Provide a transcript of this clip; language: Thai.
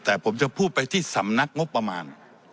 แต่ผมจะพูดไปที่สำนักงบประมาณ